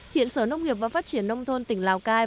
hiện sở nông nghiệp và phát triển nông thôn tỉnh lào cai